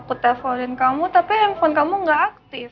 aku teleponin kamu tapi handphone kamu gak aktif